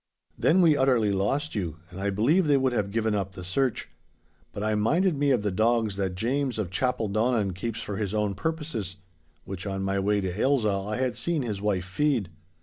'Then we utterly lost you, and I believe they would have given up the search. But I minded me of the dogs that James of Chapeldonnan keeps for his own purposes, which on my way to Ailsa I had seen his wife feed.